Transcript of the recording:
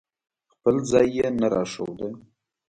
خپل ځای یې نه راښوده.